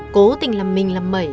cố tình làm mình làm mẩy